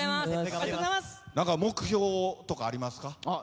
目標とかありますか。